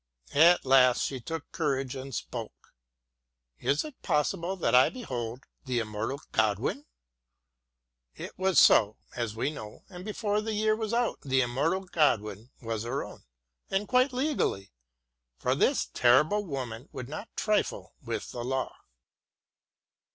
At last she took courage and spoke. " Is it possible that I behold the immortal Godwin ?" It was so, as we know, and before the year was out the immortal Godwin was her own, and quite legally, for this terrible woman would not trifle with the law.